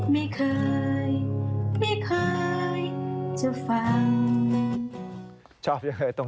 ไม่เคยจะฟัง